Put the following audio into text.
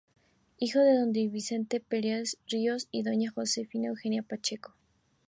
Hijo de don "Vicente Paredes Ríos" y doña "Josefa Eugenia Pacheco".